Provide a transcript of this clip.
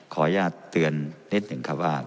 ขออนุญาตเตือนนิดหนึ่งครับว่า